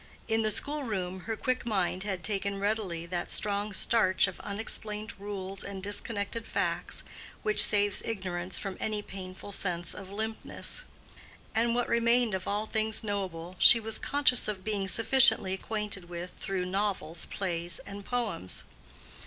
In the school room her quick mind had taken readily that strong starch of unexplained rules and disconnected facts which saves ignorance from any painful sense of limpness; and what remained of all things knowable, she was conscious of being sufficiently acquainted with through novels, plays and poems.